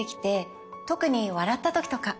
特に笑ったときとか。